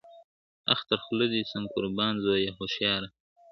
اخ تر خوله دي سم قربان زويه هوښياره `